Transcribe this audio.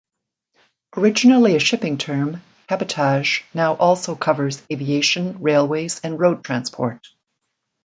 Originally a shipping term, cabotage now also covers aviation, railways, and road transport.